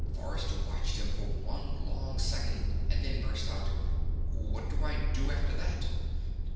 Forrester watched him for one long second, and then burst out: "What do I do after that?"